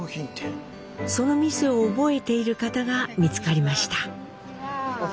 その店を覚えている方が見つかりました。